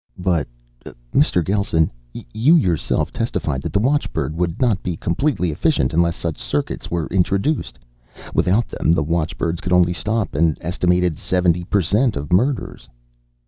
"But, Mr. Gelsen, you yourself testified that the watchbird would not be completely efficient unless such circuits were introduced. Without them, the watchbirds could stop only an estimated seventy per cent of murders."